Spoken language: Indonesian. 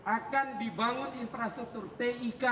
akan dibangun infrastruktur tik